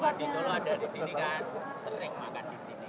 karena di solo ada di sini kan sering makan di sini